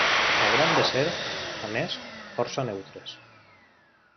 Hauran de ser, a més, força neutres.